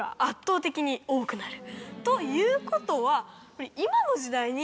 ということは。